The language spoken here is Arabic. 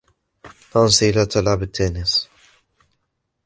نانسي لا تلعب التنس.